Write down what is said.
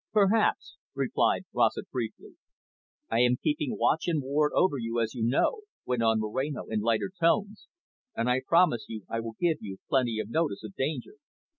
"Perhaps," replied Rossett briefly. "I am keeping watch and ward over you, as you know," went on Moreno in lighter tones. "And I promise you I will give you plenty of notice of danger."